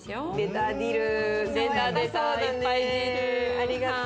ありがとう。